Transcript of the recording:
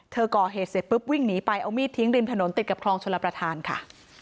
ก่อเหตุเสร็จปุ๊บวิ่งหนีไปเอามีดทิ้งริมถนนติดกับคลองชลประธานค่ะ